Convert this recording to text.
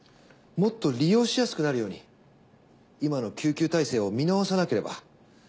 もっと利用しやすくなるように今の救急体制を見直さなければ。